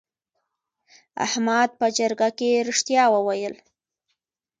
احمد په جرګه کې رښتیا وویل.